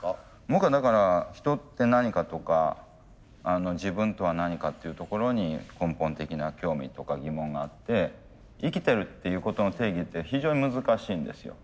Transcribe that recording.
僕はだから人って何かとか自分とは何かっていうところに根本的な興味とか疑問があって生きてるっていうことの定義って非常に難しいんですよ。